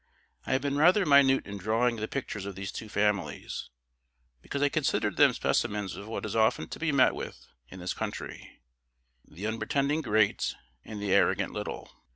I have been rather minute in drawing the pictures of these two families, because I considered them specimens of what is often to be met with in this country the unpretending great, and the arrogant little.